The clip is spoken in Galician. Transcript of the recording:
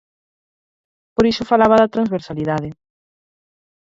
Por iso falaba da transversalidade.